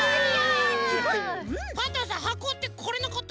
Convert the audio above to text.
パンタンさんはこってこれのこと？